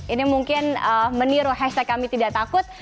ini mungkin meniru hashtag kami tidak takut